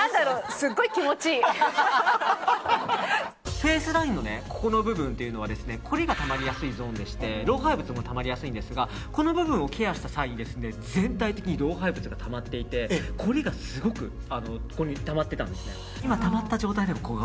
フェースラインのここの部分というのは凝りがたまりやすいゾーンでして老廃物もたまりやすいんですがこの部分をケアした際に全体的に老廃物がたまっていて凝りがすごくたまってたんですね。